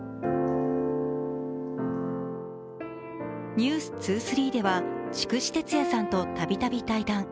「ＮＥＷＳ２３」では筑紫哲也さんとたびたび対談。